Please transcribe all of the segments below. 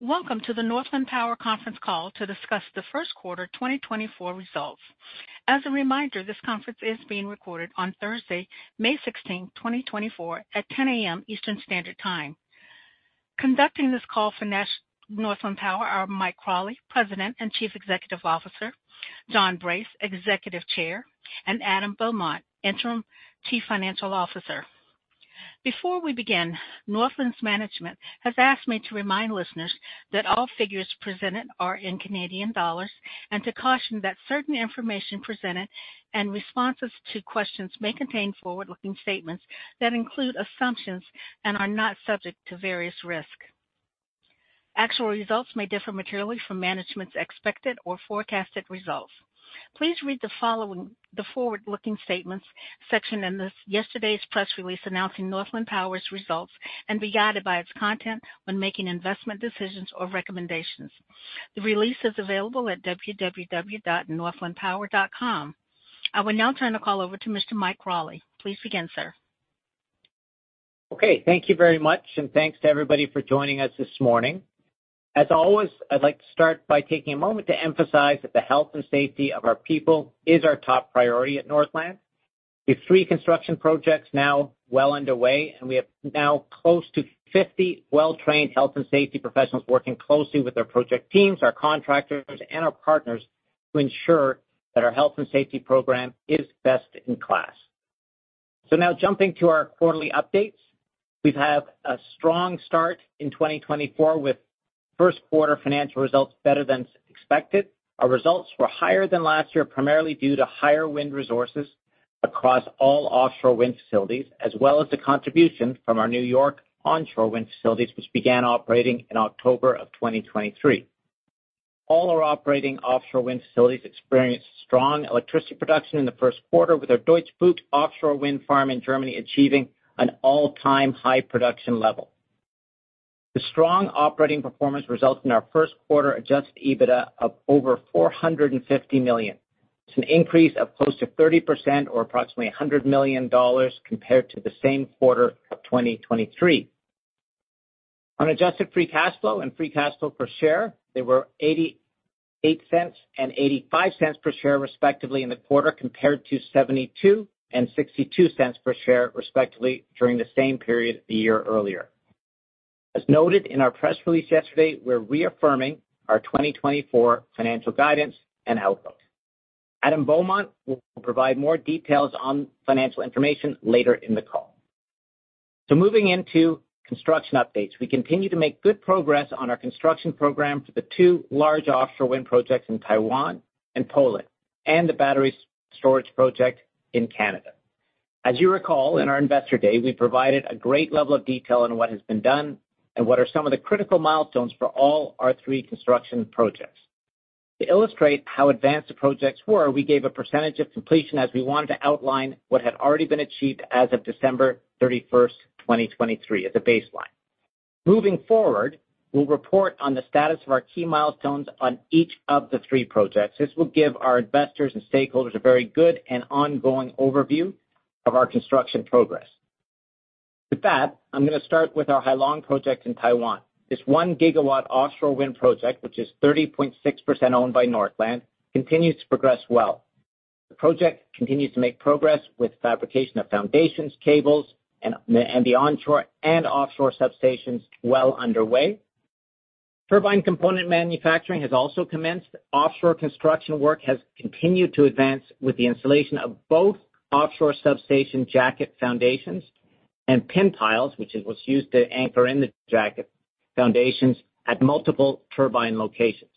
Welcome to the Northland Power Conference Call to discuss the first quarter 2024 results. As a reminder, this conference is being recorded on Thursday, May 16th, 2024, at 10:00 A.M. Eastern Standard Time. Conducting this call for Northland Power are Mike Crawley, President and Chief Executive Officer, John Brace, Executive Chair, and Adam Beaumont, Interim Chief Financial Officer. Before we begin, Northland's management has asked me to remind listeners that all figures presented are in Canadian dollars, and to caution that certain information presented and responses to questions may contain forward-looking statements that include assumptions and are subject to various risks. Actual results may differ materially from management's expected or forecasted results. Please read the forward-looking statements section in yesterday's press release announcing Northland Power's results and be guided by its content when making investment decisions or recommendations. The release is available at www.northlandpower.com. I will now turn the call over to Mr. Mike Crawley. Please begin, sir. Okay, thank you very much, and thanks to everybody for joining us this morning. As always, I'd like to start by taking a moment to emphasize that the health and safety of our people is our top priority at Northland. We have 3 construction projects now well underway, and we have now close to 50 well-trained health and safety professionals working closely with our project teams, our contractors, and our partners to ensure that our health and safety program is best in class. So now jumping to our quarterly updates. We've had a strong start in 2024, with first quarter financial results better than expected. Our results were higher than last year, primarily due to higher wind resources across all offshore wind facilities, as well as the contribution from our New York onshore wind facilities, which began operating in October of 2023. All our operating offshore wind facilities experienced strong electricity production in the first quarter, with our Deutsche Bucht offshore wind farm in Germany achieving an all-time high production level. The strong operating performance results in our first quarter adjusted EBITDA of over 450 million. It's an increase of close to 30% or approximately 100 million dollars compared to the same quarter of 2023. On adjusted free cash flow and free cash flow per share, they were 0.88 and 0.85 per share, respectively, in the quarter, compared to 0.72 and 0.62 per share, respectively, during the same period a year earlier. As noted in our press release yesterday, we're reaffirming our 2024 financial guidance and outlook. Adam Beaumont will provide more details on financial information later in the call. So moving into construction updates. We continue to make good progress on our construction program for the two large offshore wind projects in Taiwan and Poland, and the battery storage project in Canada. As you recall, in our Investor Day, we provided a great level of detail on what has been done and what are some of the critical milestones for all our three construction projects. To illustrate how advanced the projects were, we gave a percentage of completion as we wanted to outline what had already been achieved as of December 31, 2023, as a baseline. Moving forward, we'll report on the status of our key milestones on each of the three projects. This will give our investors and stakeholders a very good and ongoing overview of our construction progress. With that, I'm going to start with our Hai Long project in Taiwan. This 1-gigawatt offshore wind project, which is 30.6% owned by Northland, continues to progress well. The project continues to make progress with fabrication of foundations, cables, and the onshore and offshore substations well underway. Turbine component manufacturing has also commenced. Offshore construction work has continued to advance with the installation of both offshore substation jacket foundations and pin piles, which is what's used to anchor in the jacket foundations at multiple turbine locations.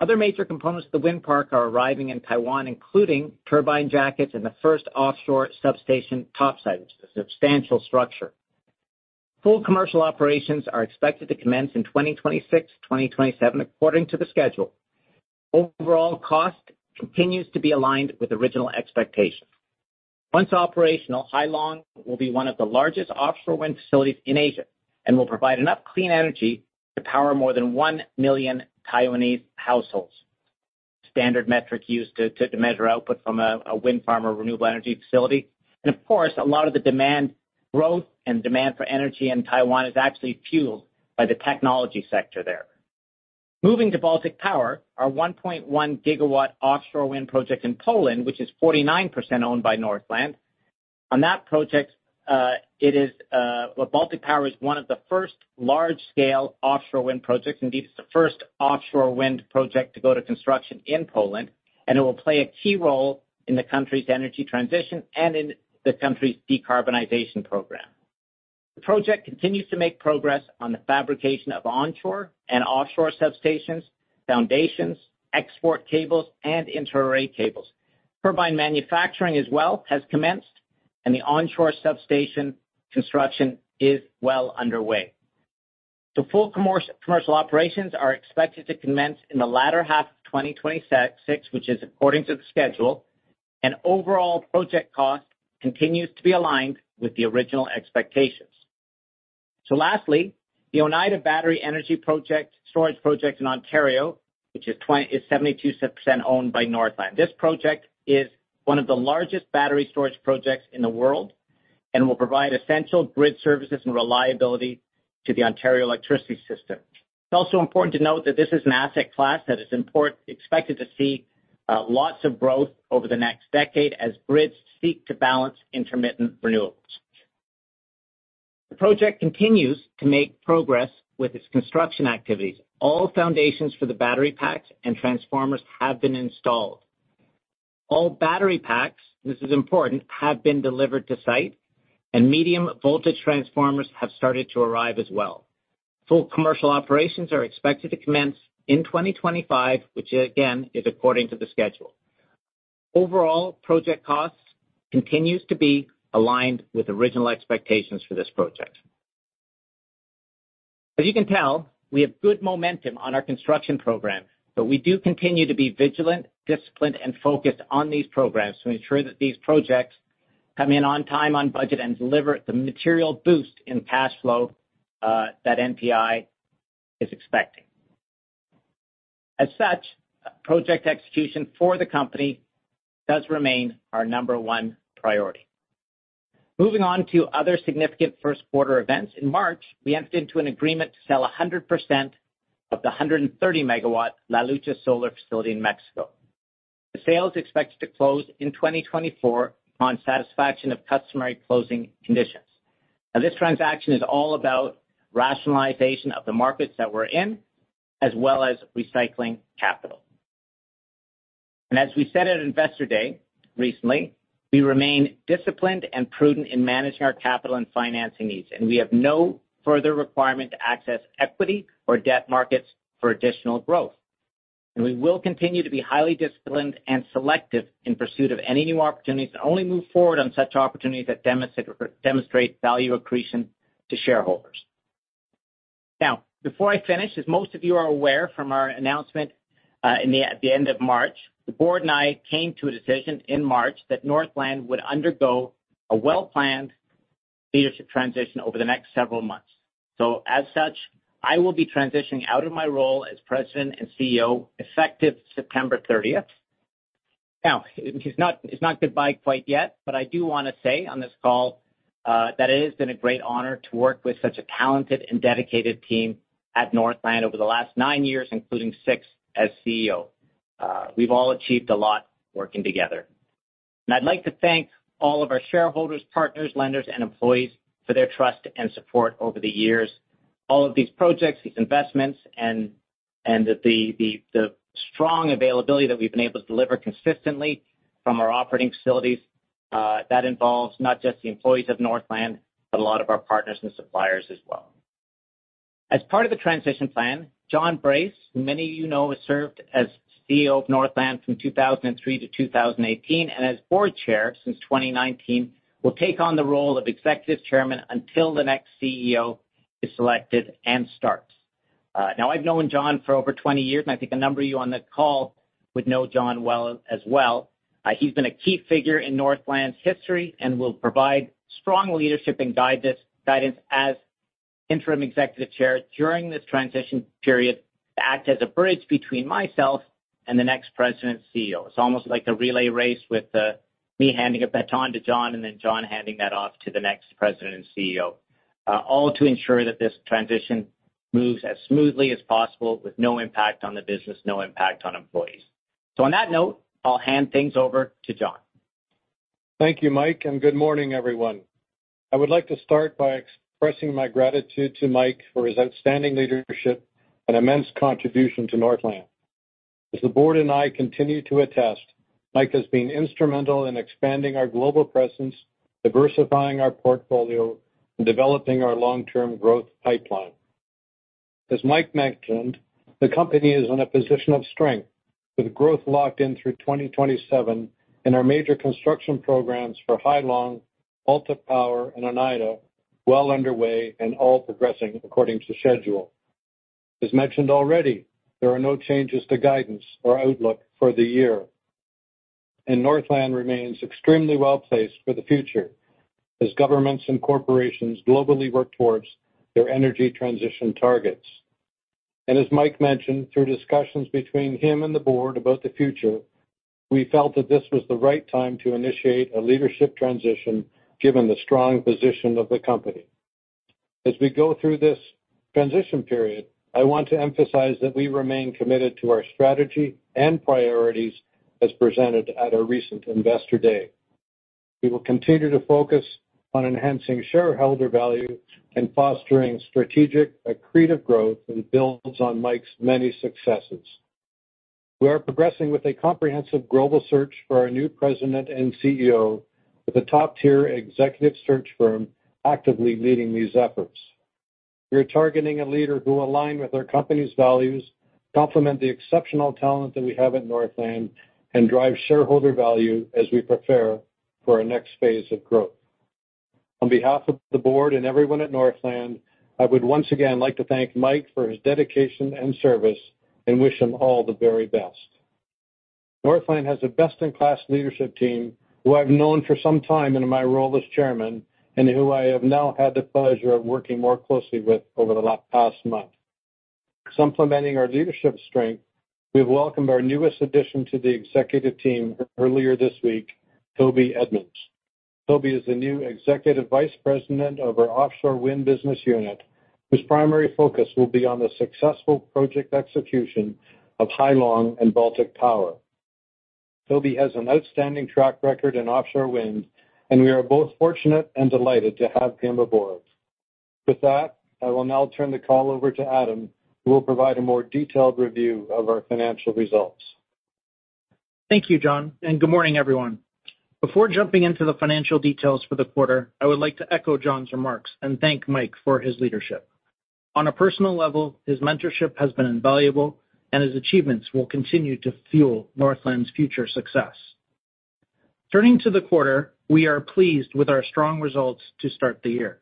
Other major components of the wind park are arriving in Taiwan, including turbine jackets and the first offshore substation topside, which is a substantial structure. Full commercial operations are expected to commence in 2026, 2027, according to the schedule. Overall cost continues to be aligned with original expectations. Once operational, Hai Long will be one of the largest offshore wind facilities in Asia and will provide enough clean energy to power more than 1 million Taiwanese households. Standard metric used to measure output from a wind farm or renewable energy facility. And of course, a lot of the demand growth and demand for energy in Taiwan is actually fueled by the technology sector there. Moving to Baltic Power, our 1.1 GW offshore wind project in Poland, which is 49% owned by Northland. On that project, Baltic Power is one of the first large-scale offshore wind projects. Indeed, it's the first offshore wind project to go to construction in Poland, and it will play a key role in the country's energy transition and in the country's decarbonization program. The project continues to make progress on the fabrication of onshore and offshore substations, foundations, export cables, and inter-array cables. Turbine manufacturing as well has commenced, and the onshore substation construction is well underway. The full commercial operations are expected to commence in the latter half of 2026, which is according to the schedule, and overall project cost continues to be aligned with the original expectations. So lastly, the Oneida Battery Energy Storage Project in Ontario, which is 72% owned by Northland. This project is one of the largest battery storage projects in the world... and will provide essential grid services and reliability to the Ontario electricity system. It's also important to note that this is an asset class that is expected to see lots of growth over the next decade as grids seek to balance intermittent renewables. The project continues to make progress with its construction activities. All foundations for the battery packs and transformers have been installed. All battery packs, this is important, have been delivered to site, and medium-voltage transformers have started to arrive as well. Full commercial operations are expected to commence in 2025, which again, is according to the schedule. Overall, project costs continues to be aligned with original expectations for this project. As you can tell, we have good momentum on our construction program, but we do continue to be vigilant, disciplined, and focused on these programs to ensure that these projects come in on time, on budget, and deliver the material boost in cash flow, that NPI is expecting. As such, project execution for the company does remain our number one priority. Moving on to other significant first quarter events. In March, we entered into an agreement to sell 100% of the 130-megawatt La Luz solar facility in Mexico. The sale is expected to close in 2024 on satisfaction of customary closing conditions. Now, this transaction is all about rationalization of the markets that we're in, as well as recycling capital. And as we said at Investor Day recently, we remain disciplined and prudent in managing our capital and financing needs, and we have no further requirement to access equity or debt markets for additional growth. And we will continue to be highly disciplined and selective in pursuit of any new opportunities, to only move forward on such opportunities that demonstrate value accretion to shareholders. Now, before I finish, as most of you are aware from our announcement in at the end of March, the board and I came to a decision in March that Northland would undergo a well-planned leadership transition over the next several months. So as such, I will be transitioning out of my role as President and CEO, effective September 30th. Now, it's not, it's not goodbye quite yet, but I do wanna say on this call that it has been a great honor to work with such a talented and dedicated team at Northland over the last nine years, including six as CEO. We've all achieved a lot working together. I'd like to thank all of our shareholders, partners, lenders, and employees for their trust and support over the years. All of these projects, these investments, and the strong availability that we've been able to deliver consistently from our operating facilities, that involves not just the employees of Northland, but a lot of our partners and suppliers as well. As part of the transition plan, John Brace, many of you know, has served as CEO of Northland from 2003 to 2018, and as board chair since 2019, will take on the role of executive chairman until the next CEO is selected and starts. Now, I've known John for over 20 years, and I think a number of you on this call would know John well as well. He's been a key figure in Northland's history and will provide strong leadership and guidance, guidance as Interim Executive Chair during this transition period to act as a bridge between myself and the next President and CEO. It's almost like a relay race with me handing a baton to John, and then John handing that off to the next President and CEO. All to ensure that this transition moves as smoothly as possible, with no impact on the business, no impact on employees. So on that note, I'll hand things over to John. Thank you, Mike, and good morning, everyone. I would like to start by expressing my gratitude to Mike for his outstanding leadership and immense contribution to Northland. As the board and I continue to attest, Mike has been instrumental in expanding our global presence, diversifying our portfolio, and developing our long-term growth pipeline. As Mike mentioned, the company is in a position of strength, with growth locked in through 2027 and our major construction programs for Hai Long, Baltic Power, and Oneida well underway and all progressing according to schedule. As mentioned already, there are no changes to guidance or outlook for the year, and Northland remains extremely well-placed for the future as governments and corporations globally work towards their energy transition targets. As Mike mentioned, through discussions between him and the board about the future, we felt that this was the right time to initiate a leadership transition, given the strong position of the company. As we go through this transition period, I want to emphasize that we remain committed to our strategy and priorities as presented at our recent Investor Day. We will continue to focus on enhancing shareholder value and fostering strategic, accretive growth that builds on Mike's many successes. We are progressing with a comprehensive global search for our new president and CEO, with a top-tier executive search firm actively leading these efforts. We are targeting a leader who will align with our company's values, complement the exceptional talent that we have at Northland, and drive shareholder value as we prepare for our next phase of growth. On behalf of the board and everyone at Northland, I would once again like to thank Mike for his dedication and service and wish him all the very best. Northland has a best-in-class leadership team, who I've known for some time in my role as chairman, and who I have now had the pleasure of working more closely with over the last past month. Supplementing our leadership strength, we've welcomed our newest addition to the executive team earlier this week, Toby Edmonds. Toby is the new Executive Vice President of our Offshore Wind business unit, whose primary focus will be on the successful project execution of Hai Long and Baltic Power. Toby has an outstanding track record in offshore wind, and we are both fortunate and delighted to have him aboard. With that, I will now turn the call over to Adam, who will provide a more detailed review of our financial results. Thank you, John, and good morning, everyone. Before jumping into the financial details for the quarter, I would like to echo John's remarks and thank Mike for his leadership. On a personal level, his mentorship has been invaluable, and his achievements will continue to fuel Northland's future success. Turning to the quarter, we are pleased with our strong results to start the year.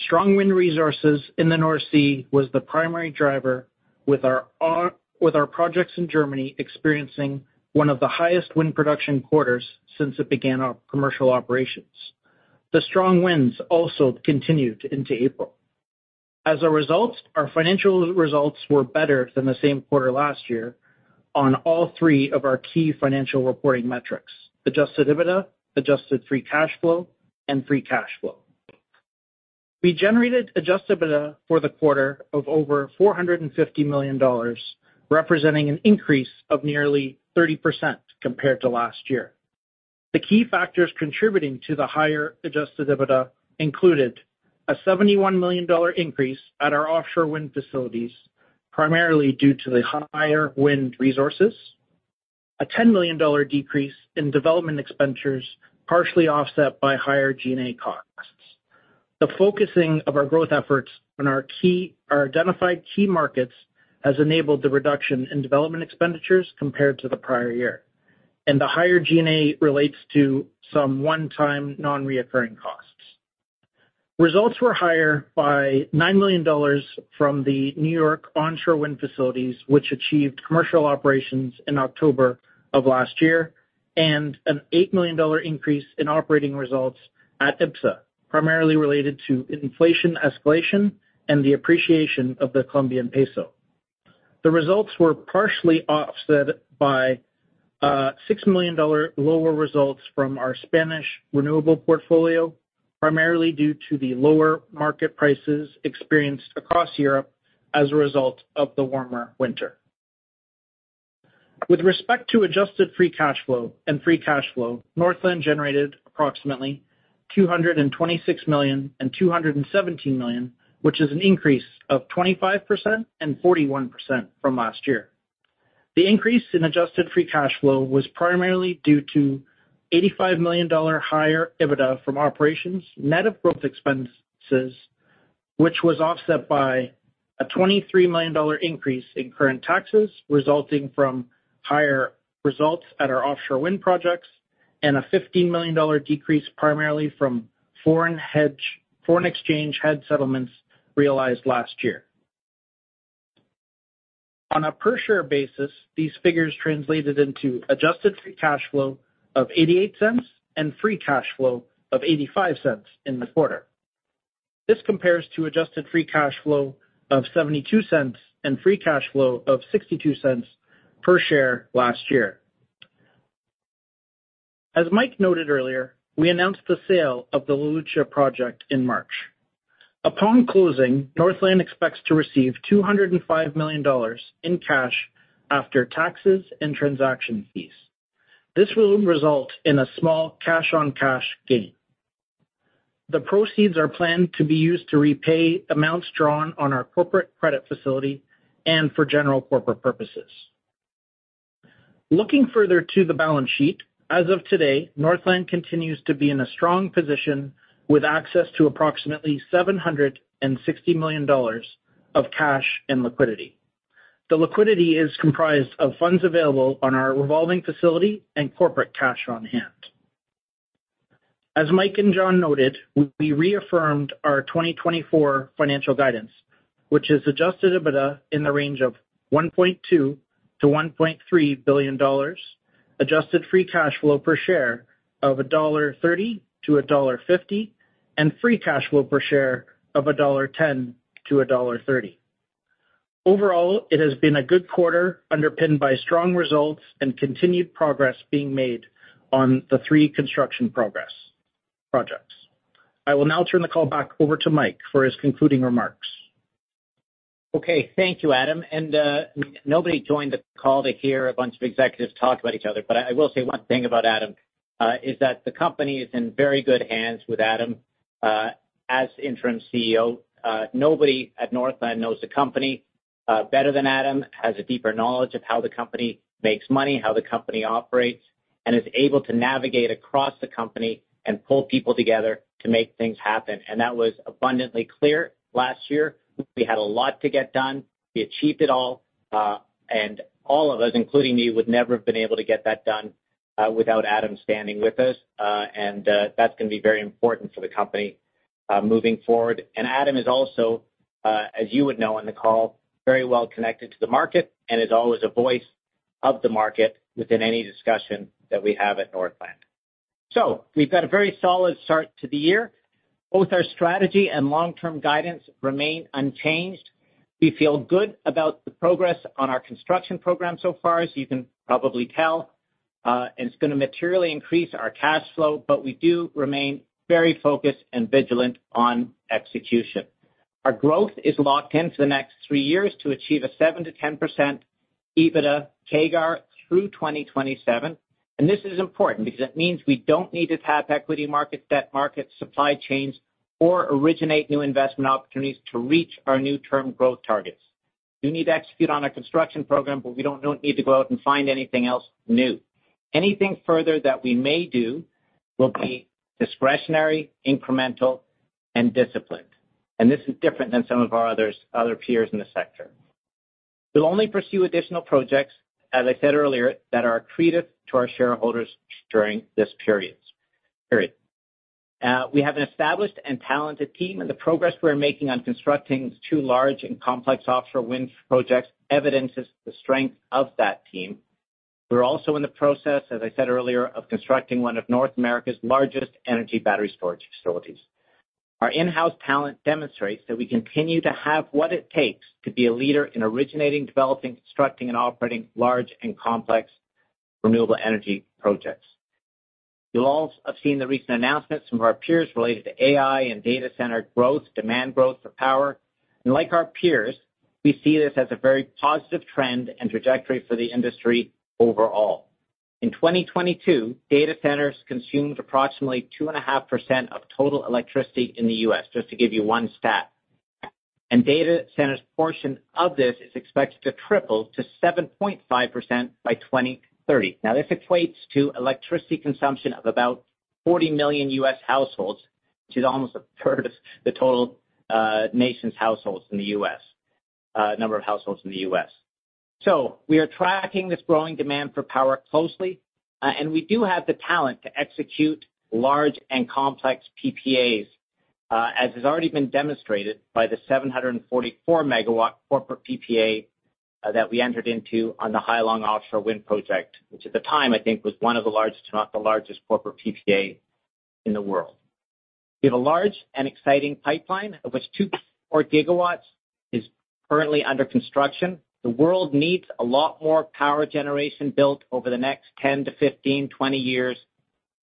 Strong wind resources in the North Sea was the primary driver, with our projects in Germany experiencing one of the highest wind production quarters since it began commercial operations. The strong winds also continued into April. As a result, our financial results were better than the same quarter last year on all three of our key financial reporting metrics: Adjusted EBITDA, Adjusted Free Cash Flow, and Free Cash Flow. We generated Adjusted EBITDA for the quarter of over 450 million dollars, representing an increase of nearly 30% compared to last year. The key factors contributing to the higher Adjusted EBITDA included: a 71 million dollar increase at our offshore wind facilities, primarily due to the higher wind resources. A 10 million dollar decrease in development expenditures, partially offset by higher G&A costs. The focusing of our growth efforts on our key-- our identified key markets has enabled the reduction in development expenditures compared to the prior year, and the higher G&A relates to some one-time, non-recurring costs. Results were higher by 9 million dollars from the New York onshore wind facilities, which achieved commercial operations in October of last year, and a 8 million dollar increase in operating results at EBSA, primarily related to inflation escalation and the appreciation of the Colombian peso. The results were partially offset by 6 million dollar lower results from our Spanish renewable portfolio, primarily due to the lower market prices experienced across Europe as a result of the warmer winter. With respect to adjusted free cash flow and free cash flow, Northland generated approximately 226 million and 217 million, which is an increase of 25% and 41% from last year. The increase in adjusted free cash flow was primarily due to 85 million dollar higher EBITDA from operations, net of growth expenses, which was offset by a 23 million dollar increase in current taxes, resulting from higher results at our offshore wind projects, and a 15 million dollar decrease, primarily from foreign exchange hedge settlements realized last year. On a per-share basis, these figures translated into adjusted free cash flow of 0.88 and free cash flow of 0.85 in the quarter. This compares to adjusted free cash flow of 0.72 and free cash flow of 0.62 per share last year. As Mike noted earlier, we announced the sale of the La Luz project in March. Upon closing, Northland expects to receive 205 million dollars in cash after taxes and transaction fees. This will result in a small cash-on-cash gain. The proceeds are planned to be used to repay amounts drawn on our corporate credit facility and for general corporate purposes. Looking further to the balance sheet, as of today, Northland continues to be in a strong position with access to approximately 760 million dollars of cash and liquidity. The liquidity is comprised of funds available on our revolving facility and corporate cash on hand. As Mike and John noted, we reaffirmed our 2024 financial guidance, which is Adjusted EBITDA in the range of 1.2 billion-1.3 billion dollars, adjusted free cash flow per share of 1.30-1.50 dollar, and free cash flow per share of 1.10-1.30 dollar. Overall, it has been a good quarter, underpinned by strong results and continued progress being made on the three construction programs. I will now turn the call back over to Mike for his concluding remarks. Okay, thank you, Adam. And nobody joined the call to hear a bunch of executives talk about each other, but I, I will say one thing about Adam is that the company is in very good hands with Adam as interim CFO. Nobody at Northland knows the company better than Adam, has a deeper knowledge of how the company makes money, how the company operates, and is able to navigate across the company and pull people together to make things happen. And that was abundantly clear last year. We had a lot to get done. We achieved it all, and all of us, including me, would never have been able to get that done without Adam standing with us. And that's gonna be very important for the company moving forward. And Adam is also, as you would know on the call, very well connected to the market and is always a voice of the market within any discussion that we have at Northland. We've got a very solid start to the year. Both our strategy and long-term guidance remain unchanged. We feel good about the progress on our construction program so far, as you can probably tell, and it's gonna materially increase our cash flow, but we do remain very focused and vigilant on execution. Our growth is locked in for the next three years to achieve a 7%-10% EBITDA CAGR through 2027, and this is important because it means we don't need to tap equity markets, debt markets, supply chains, or originate new investment opportunities to reach our near-term growth targets. We need to execute on our construction program, but we don't need to go out and find anything else new. Anything further that we may do will be discretionary, incremental, and disciplined, and this is different than some of our other peers in the sector. We'll only pursue additional projects, as I said earlier, that are accretive to our shareholders during this period. We have an established and talented team, and the progress we're making on constructing two large and complex offshore wind projects evidences the strength of that team. We're also in the process, as I said earlier, of constructing one of North America's largest energy battery storage facilities. Our in-house talent demonstrates that we continue to have what it takes to be a leader in originating, developing, constructing, and operating large and complex renewable energy projects. You'll also have seen the recent announcements from our peers related to AI and data center growth, demand growth for power. Like our peers, we see this as a very positive trend and trajectory for the industry overall. In 2022, data centers consumed approximately 2.5% of total electricity in the U.S., just to give you one stat. Data centers' portion of this is expected to triple to 7.5% by 2030. Now, this equates to electricity consumption of about 40 million U.S. households, which is almost a third of the total, nation's households in the U.S., number of households in the U.S. So we are tracking this growing demand for power closely, and we do have the talent to execute large and complex PPAs, as has already been demonstrated by the 744 MW corporate PPA that we entered into on the Hai Long offshore wind project, which at the time, I think, was one of the largest, if not the largest, corporate PPA in the world. We have a large and exciting pipeline, of which 2.4 GW is currently under construction. The world needs a lot more power generation built over the next 10 to 15, 20 years,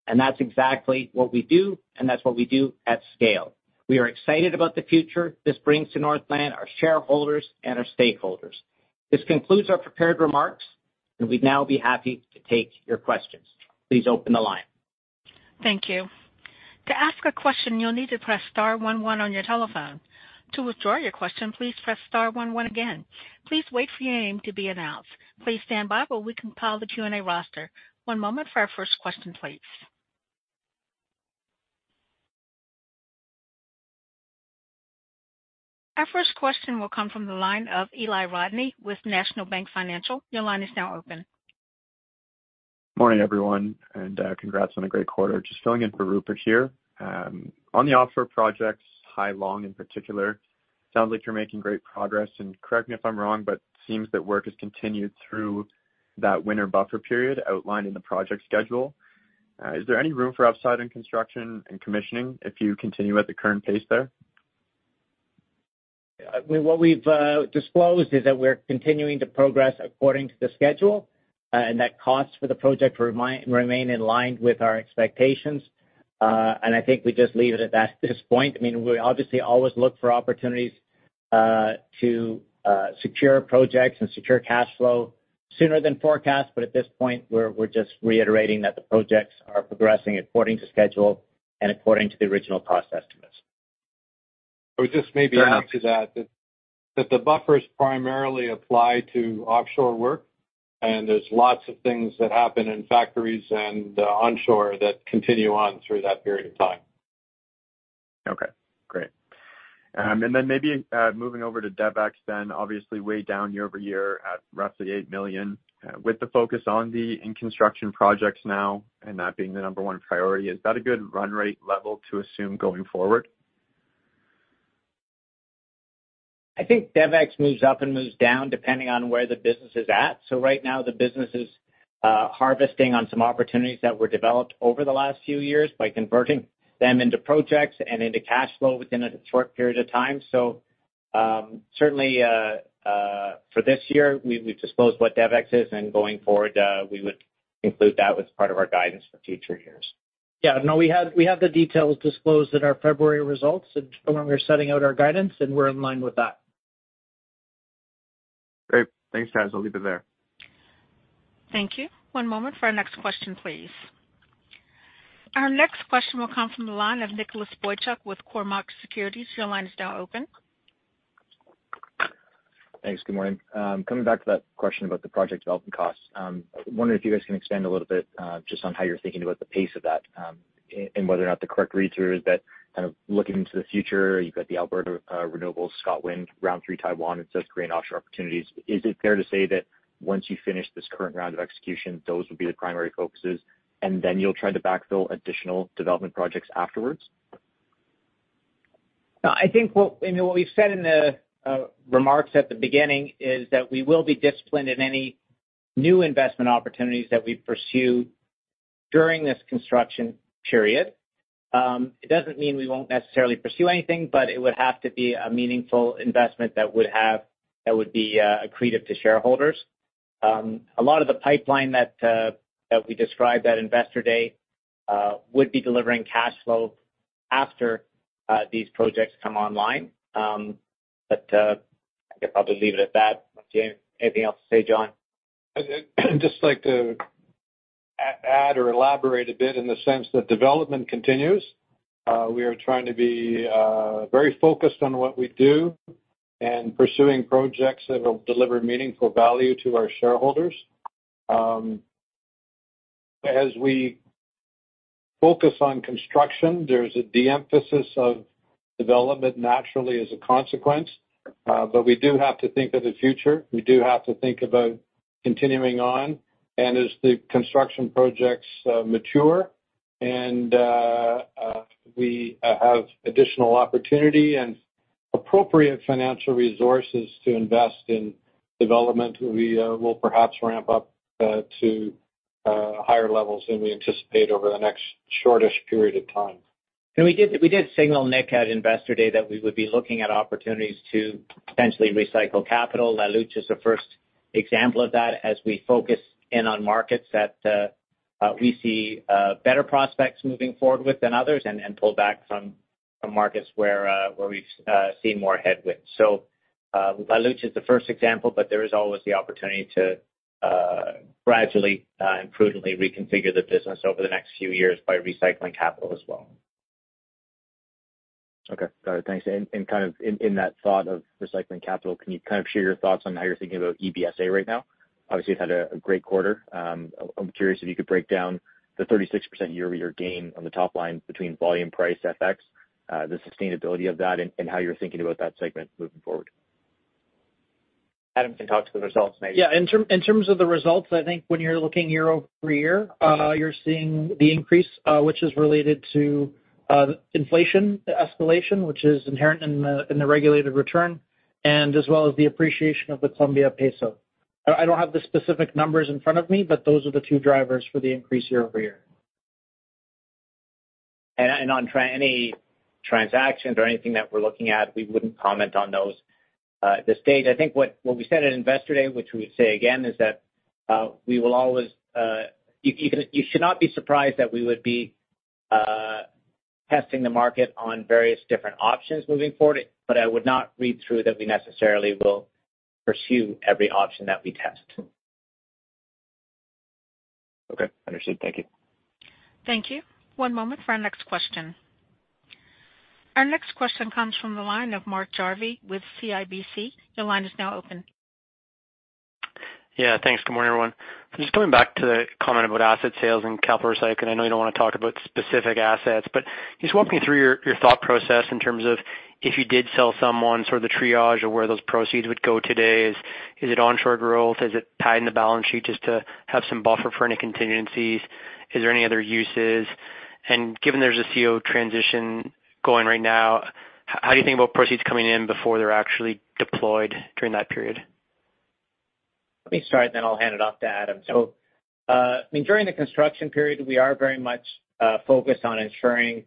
and that's exactly what we do, and that's what we do at scale. We are excited about the future this brings to Northland, our shareholders, and our stakeholders. This concludes our prepared remarks, and we'd now be happy to take your questions. Please open the line. Thank you. To ask a question, you'll need to press star one one on your telephone. To withdraw your question, please press star one one again. Please wait for your name to be announced. Please stand by while we compile the Q&A roster. One moment for our first question, please. Our first question will come from the line of Eli Rodney with National Bank Financial. Your line is now open. Morning, everyone, and congrats on a great quarter. Just filling in for Rupert here. On the offshore projects, Hai Long in particular, sounds like you're making great progress, and correct me if I'm wrong, but it seems that work has continued through that winter buffer period outlined in the project schedule. Is there any room for upside in construction and commissioning if you continue at the current pace there? What we've disclosed is that we're continuing to progress according to the schedule, and that costs for the project remain in line with our expectations. I think we just leave it at that at this point. I mean, we obviously always look for opportunities to secure projects and secure cash flow sooner than forecast, but at this point, we're just reiterating that the projects are progressing according to schedule and according to the original cost estimates. I would just maybe add to that, that the buffers primarily apply to offshore work, and there's lots of things that happen in factories and onshore that continue on through that period of time. Okay, great. Then maybe, moving over to DevEx then, obviously way down year-over-year at roughly 8 million. With the focus on the in-construction projects now and that being the number one priority, is that a good run rate level to assume going forward? I think DevEx moves up and moves down depending on where the business is at. So right now, the business is harvesting on some opportunities that were developed over the last few years by converting them into projects and into cash flow within a short period of time. So, certainly, for this year, we've disclosed what DevEx is, and going forward, we would include that as part of our guidance for future years. Yeah, no, we have, we have the details disclosed in our February results and when we're setting out our guidance, and we're in line with that. Great. Thanks, guys. I'll leave it there. Thank you. One moment for our next question, please. Our next question will come from the line of Nicholas Boychuk with Cormark Securities. Your line is now open. Thanks. Good morning. Coming back to that question about the project development costs, I wonder if you guys can expand a little bit, just on how you're thinking about the pace of that, and whether or not the correct read through is that kind of looking into the future, you've got the Alberta renewables, ScotWind, Round Three Taiwan, and so great offshore opportunities. Is it fair to say that once you finish this current round of execution, those will be the primary focuses, and then you'll try to backfill additional development projects afterwards?... No, I think what, you know, what we've said in the remarks at the beginning is that we will be disciplined in any new investment opportunities that we pursue during this construction period. It doesn't mean we won't necessarily pursue anything, but it would have to be a meaningful investment that would have-- that would be accretive to shareholders. A lot of the pipeline that that we described at Investor Day would be delivering cash flow after these projects come online. But I could probably leave it at that. Unless you have anything else to say, John? I'd just like to add or elaborate a bit in the sense that development continues. We are trying to be very focused on what we do and pursuing projects that will deliver meaningful value to our shareholders. As we focus on construction, there's a de-emphasis of development naturally as a consequence, but we do have to think of the future. We do have to think about continuing on, and as the construction projects mature and we have additional opportunity and appropriate financial resources to invest in development, we will perhaps ramp up to higher levels than we anticipate over the next short-ish period of time. And we did, we did signal, Nick, at Investor Day, that we would be looking at opportunities to potentially recycle capital. La Luz is the first example of that as we focus in on markets that, we see, better prospects moving forward with than others, and, and pull back from, from markets where, where we've, seen more headwinds. So, La Luz is the first example, but there is always the opportunity to, gradually, and prudently reconfigure the business over the next few years by recycling capital as well. Okay, got it. Thanks. And kind of in that thought of recycling capital, can you kind of share your thoughts on how you're thinking about EBSA right now? Obviously, you've had a great quarter. I'm curious if you could break down the 36% year-over-year gain on the top line between volume, price, FX, the sustainability of that, and how you're thinking about that segment moving forward. Adam can talk to the results, maybe. Yeah, in terms of the results, I think when you're looking year-over-year, you're seeing the increase, which is related to inflation escalation, which is inherent in the regulated return, and as well as the appreciation of the Colombian peso. I, I don't have the specific numbers in front of me, but those are the two drivers for the increase year-over-year. And on any transactions or anything that we're looking at, we wouldn't comment on those at this stage. I think what we said at Investor Day, which we would say again, is that you should not be surprised that we would be testing the market on various different options moving forward, but I would not read through that we necessarily will pursue every option that we test. Okay, understood. Thank you. Thank you. One moment for our next question. Our next question comes from the line of Mark Jarvi with CIBC. Your line is now open. Yeah, thanks. Good morning, everyone. Just coming back to the comment about asset sales and capital recycling. I know you don't want to talk about specific assets, but just walk me through your thought process in terms of if you did sell someone, sort of the triage of where those proceeds would go today. Is it onshore growth? Is it tied in the balance sheet just to have some buffer for any contingencies? Is there any other uses? And given there's a CEO transition going right now, how do you think about proceeds coming in before they're actually deployed during that period? Let me start, and then I'll hand it off to Adam. So, I mean, during the construction period, we are very much focused on ensuring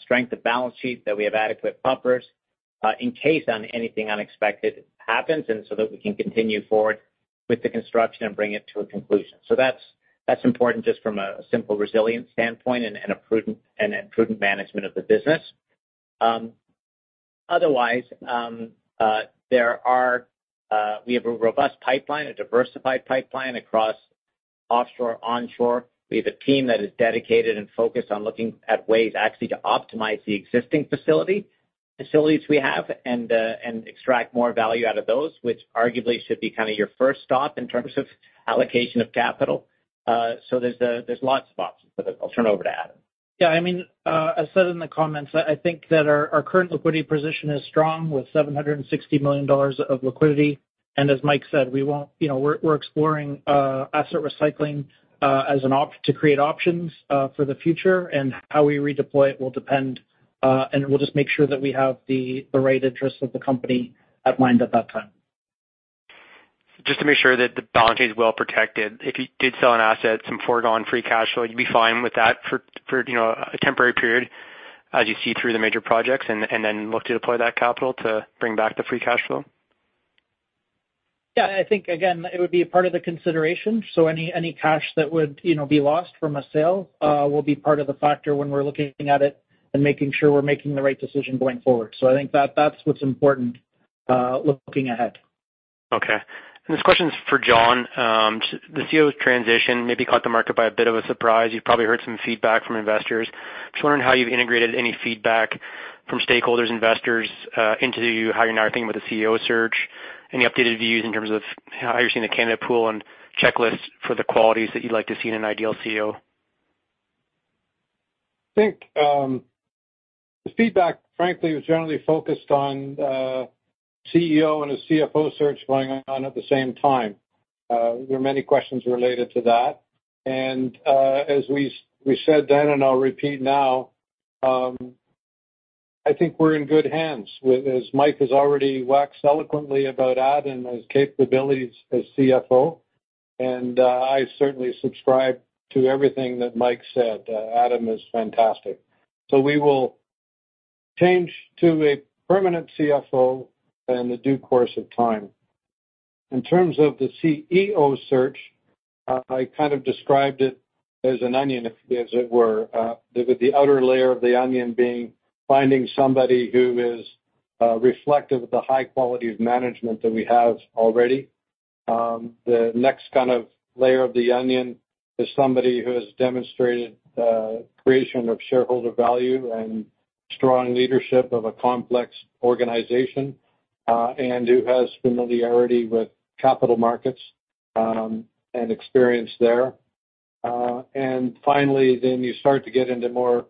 strength of balance sheet, that we have adequate buffers in case on anything unexpected happens, and so that we can continue forward with the construction and bring it to a conclusion. So that's important just from a simple resilience standpoint and a prudent management of the business. Otherwise, there are we have a robust pipeline, a diversified pipeline across offshore, onshore. We have a team that is dedicated and focused on looking at ways actually to optimize the existing facility, facilities we have, and extract more value out of those, which arguably should be kind of your first stop in terms of allocation of capital. So there's lots of options, but I'll turn it over to Adam. Yeah, I mean, as said in the comments, I think that our current liquidity position is strong, with 760 million dollars of liquidity. And as Mike said, we won't... You know, we're exploring asset recycling as an opt- to create options for the future, and how we redeploy it will depend, and we'll just make sure that we have the right interests of the company at mind at that time. Just to make sure that the balance sheet is well protected, if you did sell an asset, some foregone free cash flow, you'd be fine with that for, you know, a temporary period as you see through the major projects, and then look to deploy that capital to bring back the free cash flow? Yeah, I think, again, it would be a part of the consideration. So any cash that would, you know, be lost from a sale will be part of the factor when we're looking at it and making sure we're making the right decision going forward. So I think that, that's what's important, looking ahead. Okay. And this question is for John. The CEO's transition maybe caught the market by a bit of a surprise. You've probably heard some feedback from investors. Just wondering how you've integrated any feedback from stakeholders, investors, into how you're now thinking about the CEO search. Any updated views in terms of how you're seeing the candidate pool and checklists for the qualities that you'd like to see in an ideal CEO? I think, the feedback, frankly, was generally focused on CEO and a CFO search going on at the same time. There are many questions related to that. As we said then, and I'll repeat now, I think we're in good hands with as Mike has already waxed eloquently about Adam and his capabilities as CFO, and I certainly subscribe to everything that Mike said. Adam is fantastic. We will change to a permanent CFO in the due course of time. In terms of the CEO search, I kind of described it as an onion, as it were. With the outer layer of the onion being, finding somebody who is reflective of the high quality of management that we have already. The next kind of layer of the onion is somebody who has demonstrated creation of shareholder value and strong leadership of a complex organization, and who has familiarity with capital markets, and experience there. And finally, then you start to get into more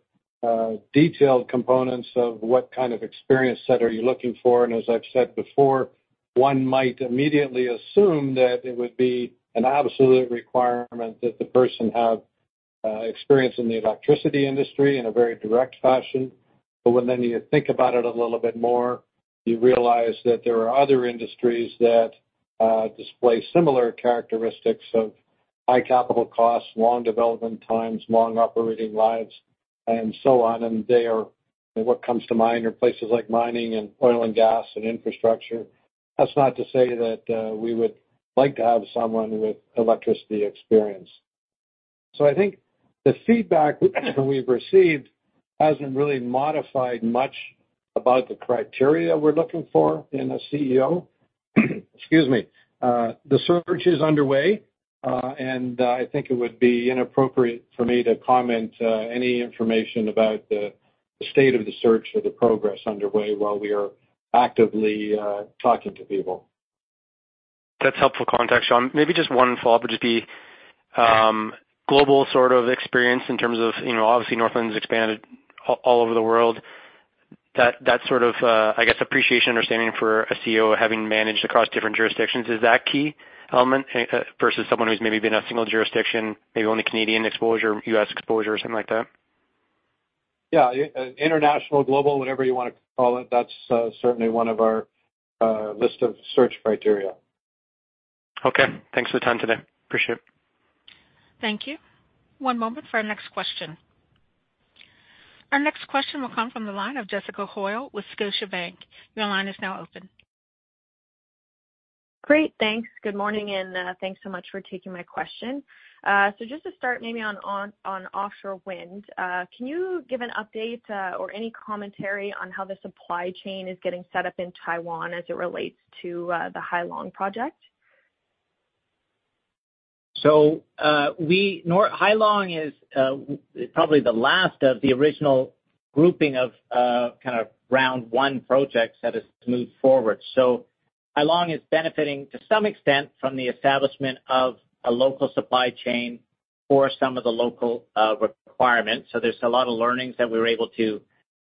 detailed components of what kind of experience set are you looking for. And as I've said before, one might immediately assume that it would be an absolute requirement that the person have experience in the electricity industry in a very direct fashion. But when you think about it a little bit more, you realize that there are other industries that display similar characteristics of high capital costs, long development times, long operating lives, and so on, and they are. What comes to mind are places like mining and oil and gas and infrastructure. That's not to say that, we would like to have someone with electricity experience. So I think the feedback we've received hasn't really modified much about the criteria we're looking for in a CEO. Excuse me. The search is underway, and, I think it would be inappropriate for me to comment, any information about the, the state of the search or the progress underway while we are actively, talking to people. That's helpful context, John. Maybe just one follow-up: would just be global sort of experience in terms of, you know, obviously, Northland's expanded all over the world. That sort of, I guess, appreciation, understanding for a CEO having managed across different jurisdictions—is that key element versus someone who's maybe been in a single jurisdiction, maybe only Canadian exposure, U.S. exposure, or something like that? Yeah, international, global, whatever you wanna call it, that's certainly one of our list of search criteria. Okay. Thanks for the time today. Appreciate it. Thank you. One moment for our next question. Our next question will come from the line of Jessica Hoyle with Scotiabank. Your line is now open. Great. Thanks. Good morning, and, thanks so much for taking my question. So just to start, maybe on offshore wind, can you give an update, or any commentary on how the supply chain is getting set up in Taiwan as it relates to, the Hai Long project? So, Hai Long is probably the last of the original grouping of kind of round one projects that has moved forward. So Hai Long is benefiting to some extent from the establishment of a local supply chain for some of the local requirements. So there's a lot of learnings that we were able to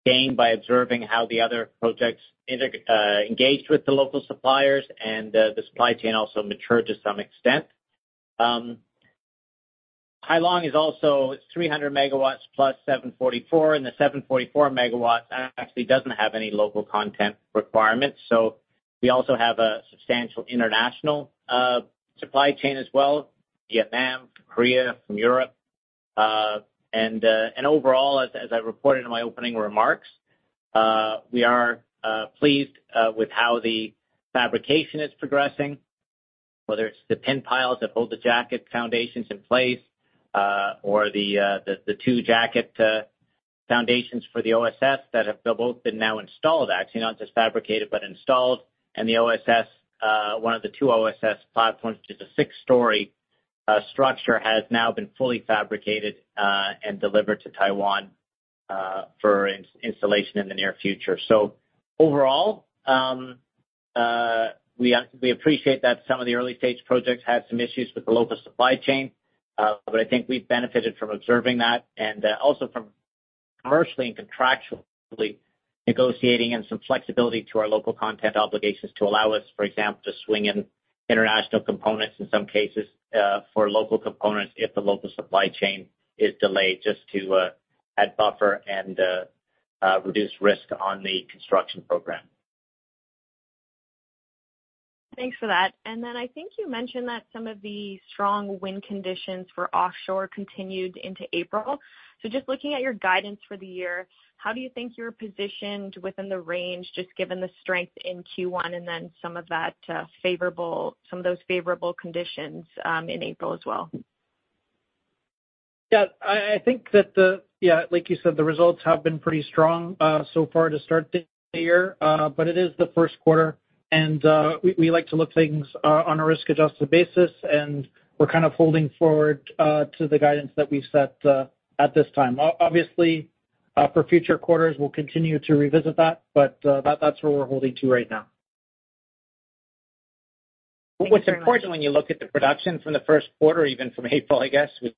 gain by observing how the other projects engaged with the local suppliers and the supply chain also matured to some extent. Hai Long is also 300 megawatts plus 744, and the 744 megawatts actually doesn't have any local content requirements. So we also have a substantial international supply chain as well, Vietnam, Korea, from Europe. And overall, as I reported in my opening remarks, we are pleased with how the fabrication is progressing, whether it's the pin piles that hold the jacket foundations in place, or the two jacket foundations for the OSS that have both been now installed, actually, not just fabricated, but installed. And the OSS, one of the two OSS platforms, which is a six-story structure, has now been fully fabricated and delivered to Taiwan for installation in the near future. So overall, we appreciate that some of the early-stage projects had some issues with the local supply chain, but I think we've benefited from observing that and, also from commercially and contractually negotiating and some flexibility to our local content obligations to allow us, for example, to swing in international components in some cases, for local components, if the local supply chain is delayed, just to, add buffer and, reduce risk on the construction program. Thanks for that. And then I think you mentioned that some of the strong wind conditions for offshore continued into April. So just looking at your guidance for the year, how do you think you're positioned within the range, just given the strength in Q1 and then some of that, favorable, some of those favorable conditions in April as well? Yeah, I think that the... Yeah, like you said, the results have been pretty strong so far to start the year, but it is the first quarter, and we like to look things on a risk-adjusted basis, and we're kind of holding forward to the guidance that we've set at this time. Obviously, for future quarters, we'll continue to revisit that, but that's where we're holding to right now.... But what's important when you look at the production from the first quarter, even from April, I guess, which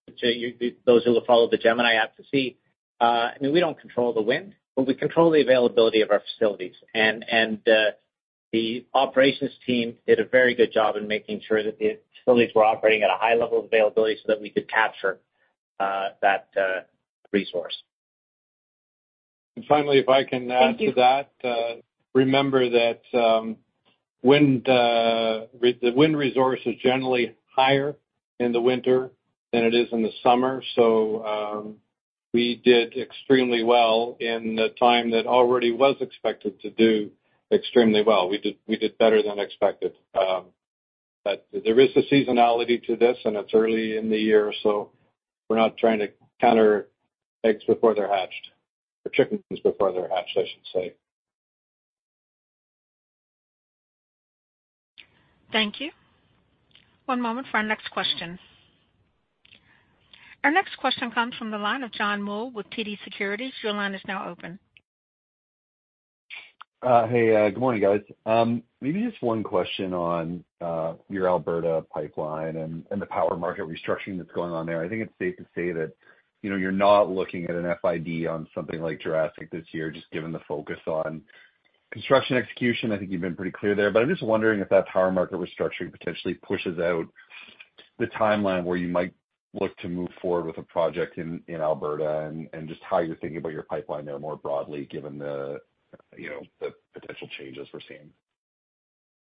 those who will follow the Gemini app to see, I mean, we don't control the wind, but we control the availability of our facilities. The operations team did a very good job in making sure that the facilities were operating at a high level of availability so that we could capture that resource. Finally, if I can add to that- Thank you. Remember that the wind resource is generally higher in the winter than it is in the summer. So, we did extremely well in the time that already was expected to do extremely well. We did, we did better than expected. But there is a seasonality to this, and it's early in the year, so we're not trying to count our eggs before they're hatched, or chickens before they're hatched, I should say. Thank you. One moment for our next question. Our next question comes from the line of John Mould with TD Securities. Your line is now open. Hey, good morning, guys. Maybe just one question on your Alberta pipeline and the power market restructuring that's going on there. I think it's safe to say that, you know, you're not looking at an FID on something like Jurassic this year, just given the focus on construction execution. I think you've been pretty clear there. But I'm just wondering if that power market restructuring potentially pushes out the timeline where you might look to move forward with a project in Alberta, and just how you're thinking about your pipeline there more broadly, given the, you know, the potential changes we're seeing.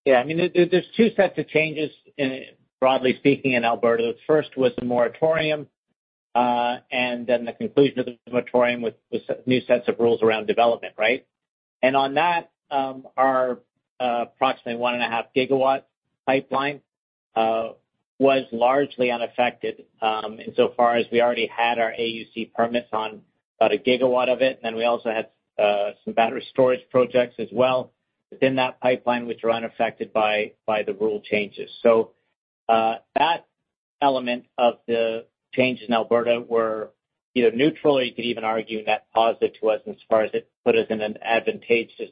Yeah, I mean, there's 2 sets of changes in, broadly speaking, in Alberta. First was the moratorium, and then the conclusion of the moratorium with new sets of rules around development, right? And on that, our approximately 1.5-gigawatt pipeline was largely unaffected, in so far as we already had our AUC permits on about 1 gigawatt of it. And then we also had some battery storage projects as well within that pipeline, which were unaffected by the rule changes. So, that element of the changes in Alberta were either neutral or you could even argue net positive to us as far as it put us in an advantageous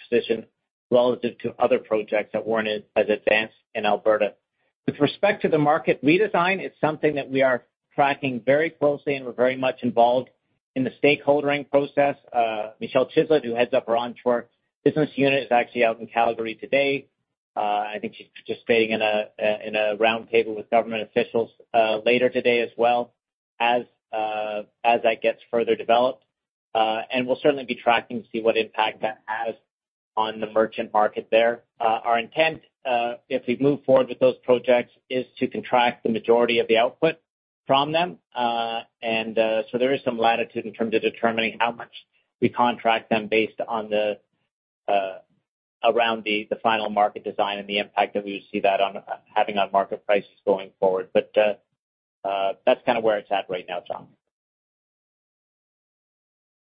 position relative to other projects that weren't as advanced in Alberta. With respect to the market redesign, it's something that we are tracking very closely, and we're very much involved in the stakeholdering process. Michelle Chislett, who heads up our onshore business unit, is actually out in Calgary today. I think she's participating in a roundtable with government officials later today as well, as that gets further developed. And we'll certainly be tracking to see what impact that has on the merchant market there. Our intent, if we move forward with those projects, is to contract the majority of the output from them. And so there is some latitude in terms of determining how much we contract them based on around the final market design and the impact that we see that having on market prices going forward. That's kind of where it's at right now, John.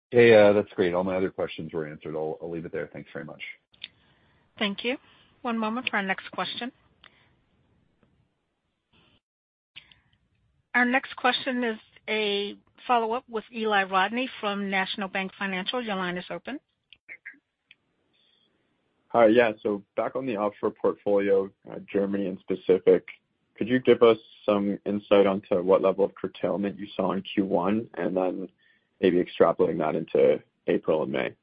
Hey, that's great. All my other questions were answered. I'll leave it there. Thanks very much. Thank you. One moment for our next question. Our next question is a follow-up with Eli Rodney from National Bank Financial. Your line is open. Yeah, so back on the offshore portfolio, Germany in specific, could you give us some insight onto what level of curtailment you saw in Q1, and then maybe extrapolating that into April and May?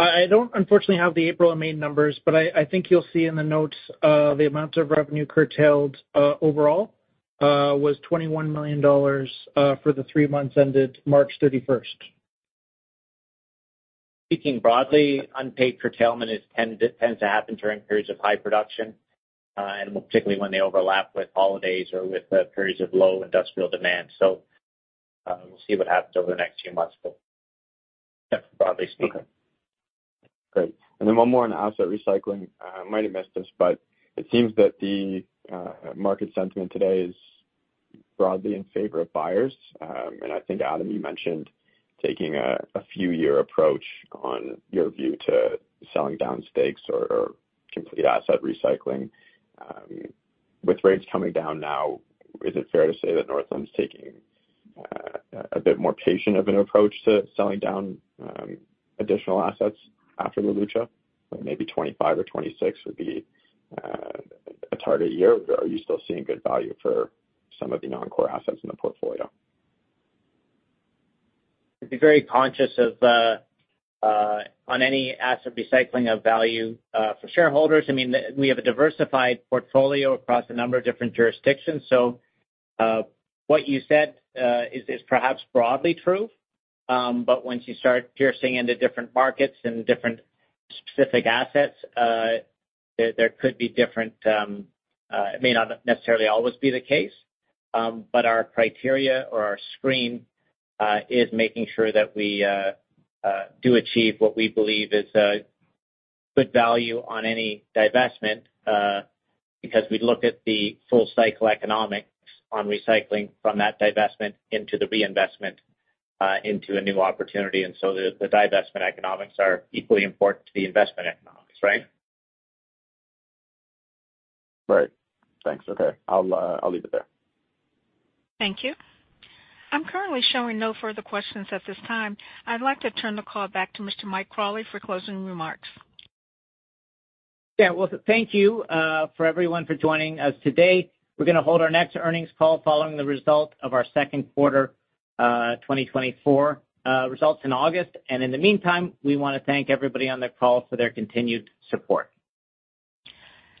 I don't unfortunately have the April and May numbers, but I think you'll see in the notes, the amounts of revenue curtailed, overall, was 21 million dollars, for the three months ended March thirty-first. Speaking broadly, unpaid curtailment tends to happen during periods of high production, and particularly when they overlap with holidays or with periods of low industrial demand. So, we'll see what happens over the next few months, but that's broadly speaking. Okay. Great. And then one more on asset recycling. Might have missed this, but it seems that the market sentiment today is broadly in favor of buyers. And I think, Adam, you mentioned taking a few-year approach on your view to selling down stakes or complete asset recycling. With rates coming down now, is it fair to say that Northland's taking a bit more patient of an approach to selling down additional assets after La Luz? Or maybe 2025 or 2026 would be a target year, or are you still seeing good value for some of the non-core assets in the portfolio? We're very conscious of on any asset recycling of value for shareholders. I mean, we have a diversified portfolio across a number of different jurisdictions. So, what you said is perhaps broadly true. But once you start piercing into different markets and different specific assets, there could be different—it may not necessarily always be the case, but our criteria or our screen is making sure that we do achieve what we believe is a good value on any divestment. Because we look at the full cycle economics on recycling from that divestment into the reinvestment into a new opportunity. And so the divestment economics are equally important to the investment economics, right? Right. Thanks. Okay. I'll, I'll leave it there. Thank you. I'm currently showing no further questions at this time. I'd like to turn the call back to Mr. Mike Crawley for closing remarks. Yeah. Well, thank you for everyone for joining us today. We're gonna hold our next earnings call following the result of our second quarter 2024 results in August. In the meantime, we want to thank everybody on the call for their continued support.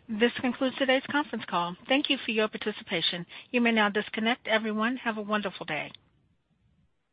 This concludes today's conference call. Thank you for your participation. You may now disconnect. Everyone, have a wonderful day.